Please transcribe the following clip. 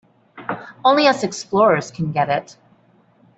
Only us explorers can get it.